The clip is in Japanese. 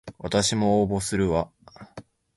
わたしも応募するわ